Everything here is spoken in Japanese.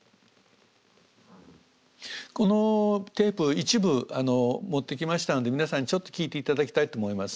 このテープ一部持ってきましたので皆さんにちょっと聞いて頂きたいと思います。